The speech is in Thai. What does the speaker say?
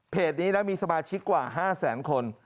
เพจนี้มีสมาชิกกว่า๕แสนคน